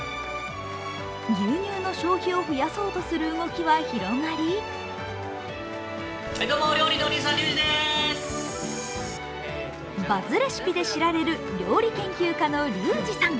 牛乳の消費を増やそうとする動きは広がり、バズレシピで知られる料理研究家のリュウジさん。